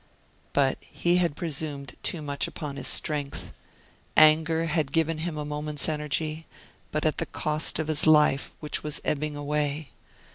But he had presumed too much upon his strength. Anger had given him a moment's energy, but at the cost of his life which was ebbing away.